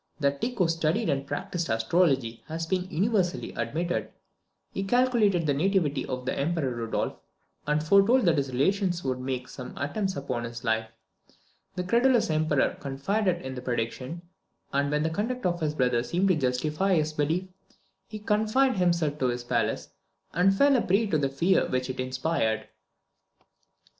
That Tycho studied and practised astrology has been universally admitted. He calculated the nativity of the Emperor Rudolph, and foretold that his relations would make some attempts upon his life. The credulous Emperor confided in the prediction, and when the conduct of his brother seemed to justify his belief, he confined himself to his palace, and fell a prey to the fear which it inspired.